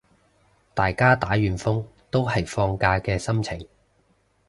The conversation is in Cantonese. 大家打完風都係放假嘅心情